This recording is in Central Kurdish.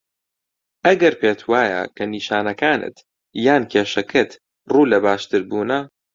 ئەگەر پێت وایه که نیشانەکانت یان کێشەکەت ڕوو له باشتربوونه